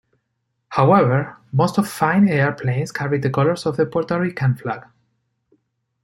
However, most of Fina Air planes carried the colors of the Puerto Rican flag.